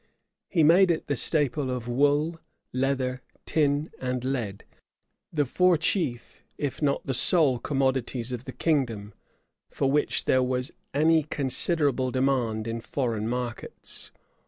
He made it the staple of wool, leather, tin, and lead; the four chief, if not the sole commodities of the kingdom, for which there was any considerable demand in foreign markets.